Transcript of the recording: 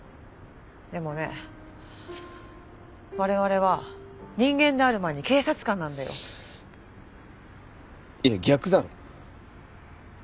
でもね我々は人間である前に警察官なんだよ。いや逆だろ。